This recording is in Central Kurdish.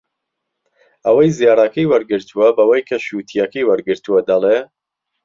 ئەوەی زێڕەکەی وەرگرتووە بەوەی کە شووتییەکەی وەرگرتووە دەڵێ